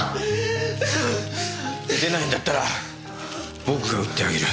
撃てないんだったら僕が撃ってあげる。